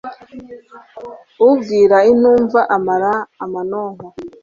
ubwira intumva amara amanonko